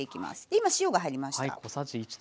今塩が入りました。